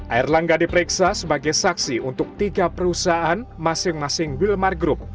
air langga diperiksa sebagai saksi untuk tiga perusahaan masing masing wilmar group